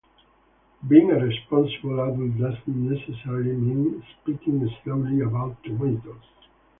Being a responsible adult doesn't necessarily mean speaking slowly about tomatoes.